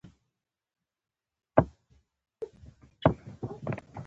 ډیره ښکلا خو ځینې یې بیا د چینو او کاریزونو په اوبو خړوبیږي.